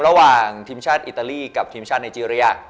ระหว่างทีมชาติอิตาลีกับทีมชาติไนเจรีย